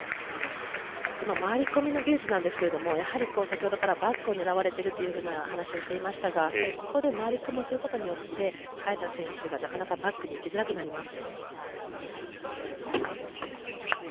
この回り込みの技術ですが先ほどからバックを狙われているというふうな話をしていましたがここで回り込みをすることによって早田選手が、なかなかバックに行きづらくなります。